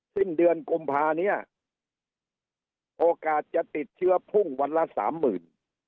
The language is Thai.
สิ้นเดือนกุมภาเนี่ยโอกาสจะติดเชื้อพุ่งวันละสามหมื่น